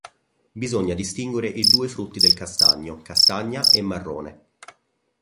Bisogna distinguere i due frutti del castagno: castagna e marrone.